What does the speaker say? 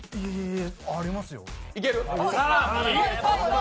ありますよ。